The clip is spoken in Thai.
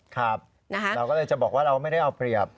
ครับเราก็เลยจะบอกว่าเราไม่ได้เอาเปรียบ